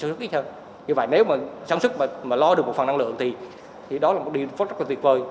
như vậy nếu mà sản xuất mà lo được một phần năng lượng thì đó là một điện pháp rất là tuyệt vời